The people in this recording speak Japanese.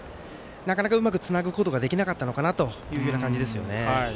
なかなか、うまくつなぐことができなかったのかなという感じですよね。